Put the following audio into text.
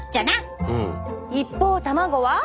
一方卵は。